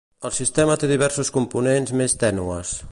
El sistema té diversos components més tènues.